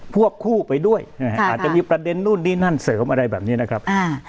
วบคู่ไปด้วยอาจจะมีประเด็นนู่นนี่นั่นเสริมอะไรแบบนี้นะครับ